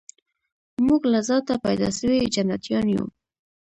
موږ له ذاته پیدا سوي جنتیان یو